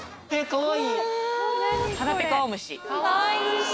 かわいい。